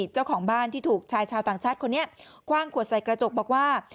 เจ้าของบ้านที่ถูกชายชาวต่างชาติคนนี้คว่างขวดใส่กระจกบอกว่า